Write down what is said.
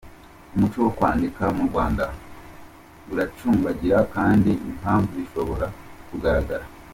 Umuco wo kwandika mu Rwanda, uracumbagira kandi impamvu zishobora kugaragara.